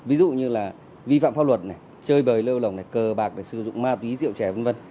ví dụ như là vi phạm pháp luật chơi bời lêu lỏng cờ bạc sử dụng ma túy rượu trẻ v v